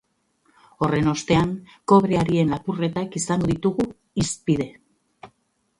Horren ostean, kobre harien lapurretak izango ditugu hizpide.